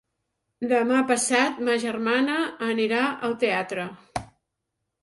Demà passat ma germana anirà al teatre.